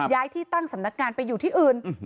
ย้ายที่ตั้งสำนักงานไปอยู่ที่อื่น